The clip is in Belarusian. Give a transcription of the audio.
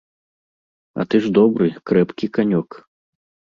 А ты ж добры, крэпкі канёк.